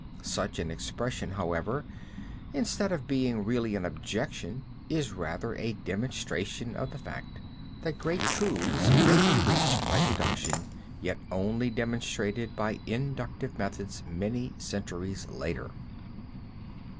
Such an expression, however, instead of being really an objection is rather a demonstration of the fact that great truths may be reached by deduction yet only demonstrated by inductive methods many centuries later.